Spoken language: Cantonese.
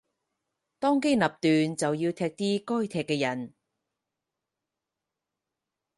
當機立斷就要踢啲該踢嘅人